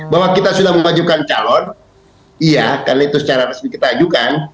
bahwa kita sudah mengajukan calon iya karena itu secara resmi kita ajukan